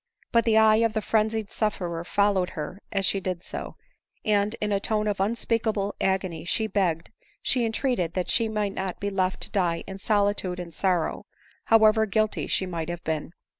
But the eye of the frenzied sufferer followed her as she did so, and in a tone of unspeakable agony she begged, she entreated that she might not be left to die in solitude and sorrow, however guilty she might have befen.